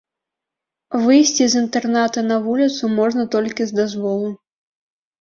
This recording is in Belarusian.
Выйсці з інтэрната на вуліцу можна толькі з дазволу.